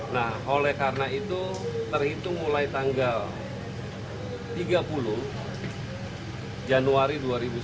nah oleh karena itu terhitung mulai tanggal tiga puluh januari dua ribu sembilan belas